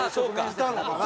いたのかな？